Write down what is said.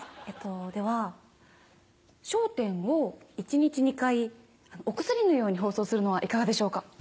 えっとでは『笑点』を一日２回お薬のように放送するのはいかがでしょうか。